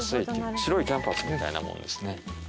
白いキャンバスみたいなもんですね。